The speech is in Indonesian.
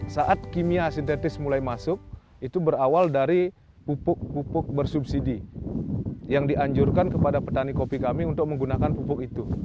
saat kimia sintetis mulai masuk itu berawal dari pupuk pupuk bersubsidi yang dianjurkan kepada petani kopi kami untuk menggunakan pupuk itu